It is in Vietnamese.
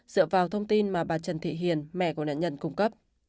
dựa vào thông tin mà bà trần thị hiền mẹ của nạn nhân cung cấp